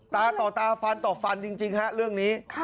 ตาต่อตาฟันต่อฟันจริงฮะเรื่องนี้